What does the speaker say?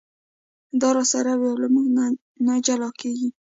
دا راسره وي له مونږه نه جلا کېږي.